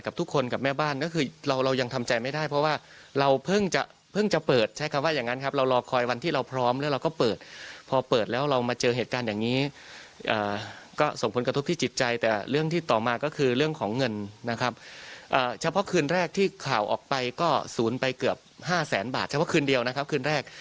ก็ศูนย์ไปเกือบ๕แสนบาทเฉพาะคืนเดียวนะครับคืนแรก